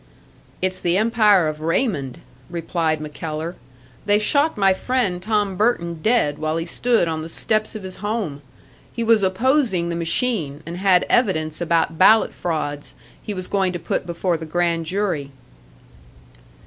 "It's the Empire of Raymond," replied MacKellar. "They shot my friend Tom Burton dead while he stood on the steps of his home. He was opposing the machine, and had evidence about ballot frauds he was going to put before the Grand Jury."